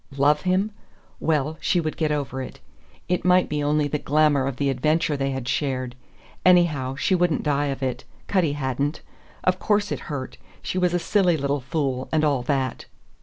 Love him? Well, she would get over it. It might be only the glamour of the adventure they had shared. Anyhow, she wouldn't die of it. Cutty hadn't. Of course it hurt; she was a silly little fool, and all that.